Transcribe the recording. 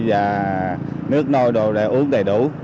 và nước nôi đồ để uống đầy đủ